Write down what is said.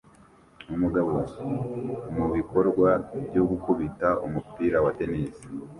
Umugabo mubikorwa byo gukubita umupira wa tennis